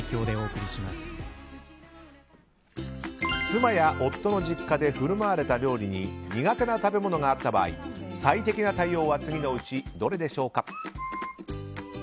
妻や夫の実家で振る舞われた料理に苦手な食べ物があった場合最適な対応は次のうちどれでしょうか？